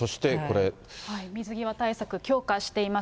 水際対策、強化しています。